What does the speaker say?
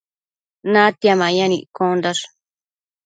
natia mayan iccondash